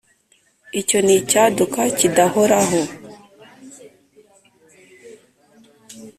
Icyo ni icyaduka kidahoraho!"